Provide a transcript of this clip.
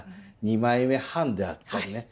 二枚目半であったりね